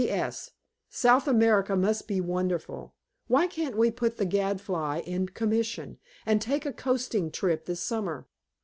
P.S. South America must be wonderful. Why can't we put the Gadfly in commission, and take a coasting trip this summer?